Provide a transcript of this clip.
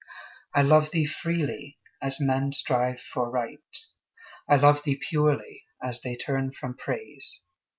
I love thee freely, as men strive for Right; I love thee purely, as they turn from Praise.